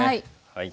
はい。